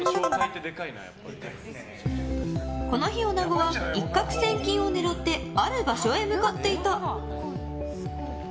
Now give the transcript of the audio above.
この日おなごは一獲千金を狙ってある場所へ向かっていた。